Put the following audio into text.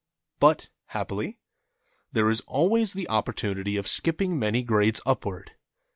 But, happily, there is always the opportunity of skipping many grades upward.